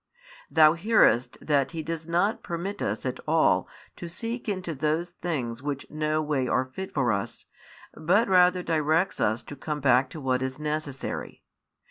Thou hearest that He does not permit us at all to seek into those things which no way are fit for us, but rather directs us to come back to what is necessary.